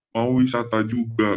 mau wisata juga